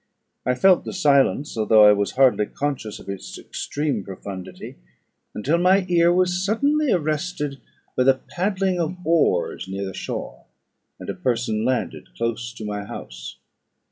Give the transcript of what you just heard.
I felt the silence, although I was hardly conscious of its extreme profundity, until my ear was suddenly arrested by the paddling of oars near the shore, and a person landed close to my house.